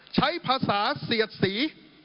ใช้ภาษาเสียดสี